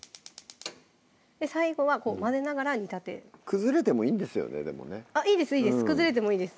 最後は混ぜながら煮立てる崩れてもいいんですよねでもねいいです崩れてもいいです